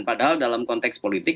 padahal dalam konteks politik